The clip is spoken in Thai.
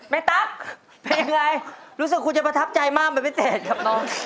แม่ตั๊คเป็นยังไงรู้สึกคุณจะประทับใจมากไหมเป็นเจษกับน้อง